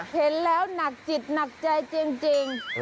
เห็นแล้วหนักจิตหนักใจจริง